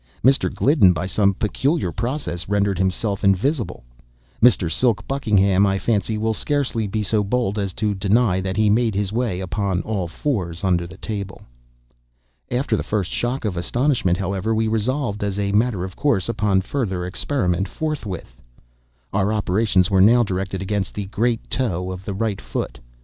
Mr. Gliddon, by some peculiar process, rendered himself invisible. Mr. Silk Buckingham, I fancy, will scarcely be so bold as to deny that he made his way, upon all fours, under the table. After the first shock of astonishment, however, we resolved, as a matter of course, upon further experiment forthwith. Our operations were now directed against the great toe of the right foot.